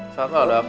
selamat malam dok